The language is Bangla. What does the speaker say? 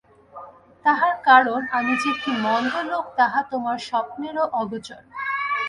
তাহার কারণ, আমি যে কী মন্দ লোক তাহা তোমার স্বপ্নেরও অগোচর।